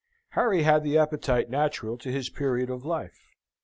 Harry had the appetite natural to his period of life.